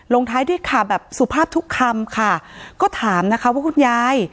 ลงท้ายด้วยค่ะแบบสุภาพทุกคำค่ะก็ถามนะคะว่าคุณยาย